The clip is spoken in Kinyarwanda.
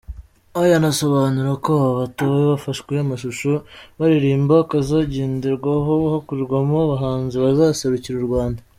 Ian asobanura ko aba batowe bafashwe amashusho baririmba akazagenderwaho hakurwamo abahanzi bazaserukira u Rwanda.